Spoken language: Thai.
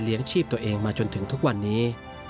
ชีพตัวเองมาจนถึงทุกวันนี้